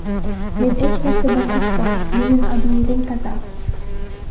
Мен эч нерседен коркпойм, менин абийирим таза.